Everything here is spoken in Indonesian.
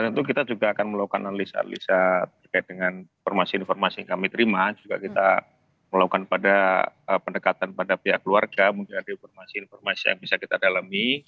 tentu kita juga akan melakukan analisa analisa terkait dengan informasi informasi yang kami terima juga kita melakukan pada pendekatan pada pihak keluarga mungkin ada informasi informasi yang bisa kita dalami